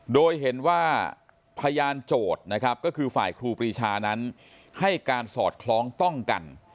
โดยเห็นว่าพยานโจทย์นะครับก็คือฝ่ายครูปรีชานั้นให้การสอดคล้องต้องกัน